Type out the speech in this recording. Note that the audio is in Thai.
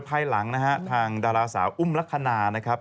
ภายหลังนะฮะทางดาราสาวอุ้มลักษณะนะครับ